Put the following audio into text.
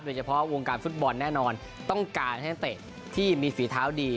โดยเฉพาะวงการฟุตบอลแน่นอนต้องการให้นักเตะที่มีฝีเท้าดี